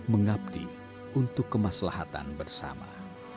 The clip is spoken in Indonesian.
mengabdi untuk kemaslahatan bersama